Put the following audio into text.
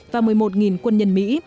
và một mươi một quân nhân mỹ